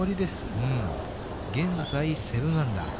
現在７アンダー。